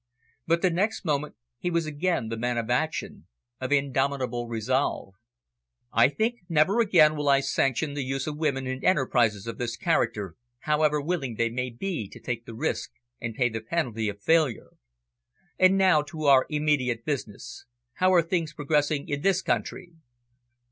But the next moment he was again the man of action, of indomitable resolve. "I think never again will I sanction the use of women in enterprises of this character, however willing they may be to take the risk and pay the penalty of failure. And now to our immediate business. How are things progressing in this country?"